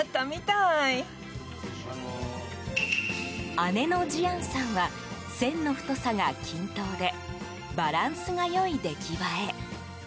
姉のジアンさんは線の太さが均等でバランスが良い出来栄え。